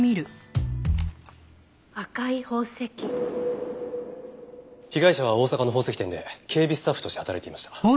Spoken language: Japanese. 「赤い宝石」被害者は大阪の宝石店で警備スタッフとして働いていました。